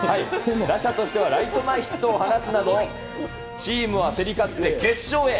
打者としてはライト前ヒットを放つなど、チームは競り勝って、決勝へ。